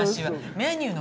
メニューね。